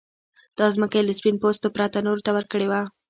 دا ځمکه يې له سپين پوستو پرته نورو ته ورکړې وه.